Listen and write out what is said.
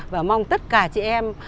và mong tất cả chị em